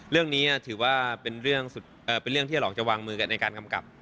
เรื่องนี้ถือว่าเป็นเรื่องที่หลอกจะวางมือกันในการกำกับ